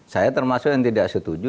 saya termasuk yang tidak setuju